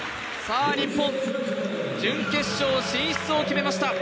日本、準決勝進出を決めました。